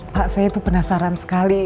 pak saya itu penasaran sekali